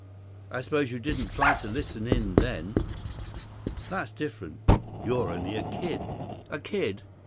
I suppose you didn't try to listen in then." "That's different. You're only a kid." "A kid!"